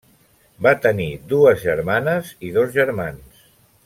Va tenir dues germanes i dos germans.